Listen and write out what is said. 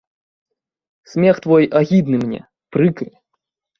Смех твой агідны мне, прыкры.